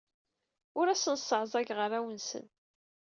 Ur asent-sseɛẓageɣ arraw-nsent.